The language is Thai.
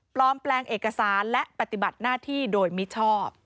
แปลงเอกสารและปฏิบัติหน้าที่โดยมิชอบ